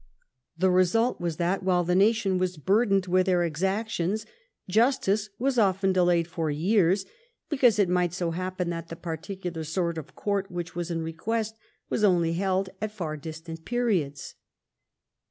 The result was that while the nation was K 130 EDWARD I chap. burdened with their exactions, justice was often delayed for years, because it might so happen that the particular sort of court which was in request was only held at far distant periods.